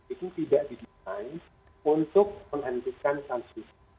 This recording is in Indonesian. itu tidak didesain untuk menentukan tansi